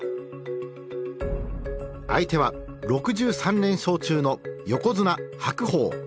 相手は６３連勝中の横綱白鵬。